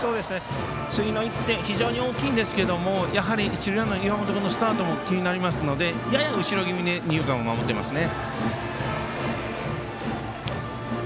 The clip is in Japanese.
次の一手非常に大きいんですがやはり、一塁ランナー、岩本君のスタートも気になりますのでやや後ろ気味に二遊間を守っていますね。